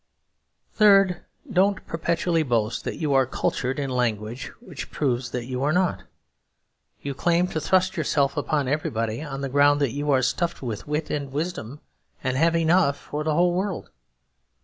Third, don't perpetually boast that you are cultured in language which proves that you are not. You claim to thrust yourself upon everybody on the ground that you are stuffed with wit and wisdom, and have enough for the whole world.